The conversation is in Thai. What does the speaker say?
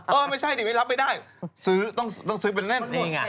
เออไม่ใช่ดิไม่รับไม่ได้ซื้อต้องซื้อเป็นเล่นนี่ไง